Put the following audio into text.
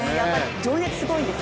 情熱、すごいんです。